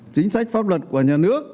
chính sách pháp luật của nhà nước